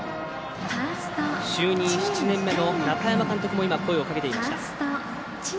就任７年目の中山監督も今声をかけていました。